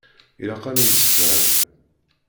Ilaq ad nemsefham.